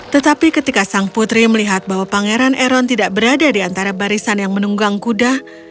tetapi ketika sang putri melihat bahwa pangeran eron tidak berada di antara barisan yang menunggang kuda